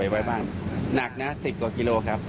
หนักนะ๑๐กว่ากิโลกรัมครับ